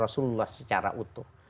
mencintai rasulullah secara utuh